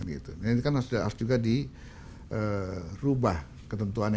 ini kan harus juga dirubah ketentuannya